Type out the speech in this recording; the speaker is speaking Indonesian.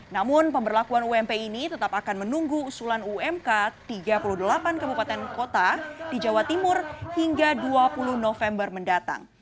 namun pemberlakuan ump ini tetap akan menunggu usulan umk tiga puluh delapan kabupaten kota di jawa timur hingga dua puluh november mendatang